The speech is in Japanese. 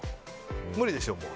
無理でしょ、もう。